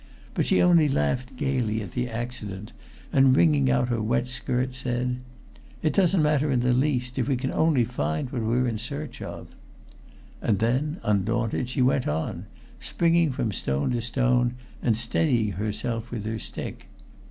But she only laughed gayly at the accident, and wringing out her wet skirt, said: "It doesn't matter in the least, if we only find what we're in search of." And then, undaunted, she went on, springing from stone to stone and steadying herself with her stick.